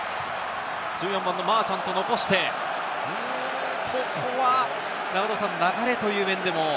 １４番のマーチャント、残して、ここは流れという面でも。